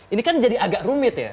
ini kan jadi agak rumit ya